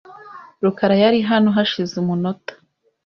rukara yari hano hashize umunota .